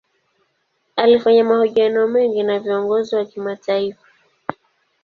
Alifanya mahojiano mengi na viongozi wa kimataifa.